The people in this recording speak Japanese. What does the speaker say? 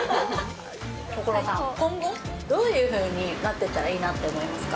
こころさん、今後、どういうふうになっていったらいいなって思いますか？